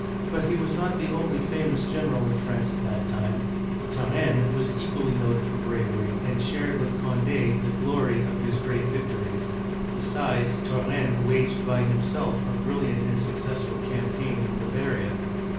But he was not the only famous general in France at that time ; Turenne (tii ren') was equally noted for bravery, and shared with Cond6 the glory of his great victories. Besides, Turenne waged by himself a brilliant and successful campaign in Bavaria.